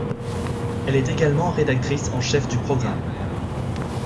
Elle est également rédactrice en chef du programme.